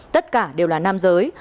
tất cả đều là nam giới